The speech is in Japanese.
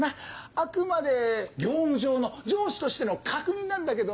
あくまで業務上の上司としての確認なんだけど。